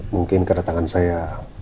mungkin kedatangan saya